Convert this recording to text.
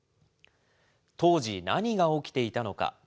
当時、何が起きていた。